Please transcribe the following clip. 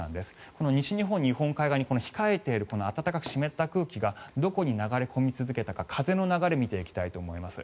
この西日本、日本海側に控えている暖かく湿った空気がどこに流れ込み続けたか風の流れを見ていきたいと思います。